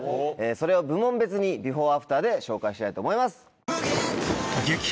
それを部門別にビフォー・アフターで紹介したいと思います。